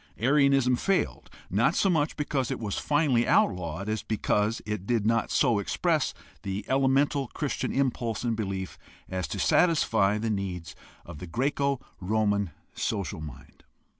Arianism failed not so much because it was finally outlawed as because it did not so express the elemental Christian impulse and belief as to satisfy the needs of the Greco Roman social mind.